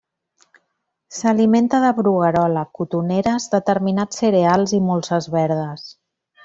S'alimenta de bruguerola, cotoneres, determinats cereals i molses verdes.